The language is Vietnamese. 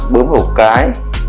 bướm hổ cái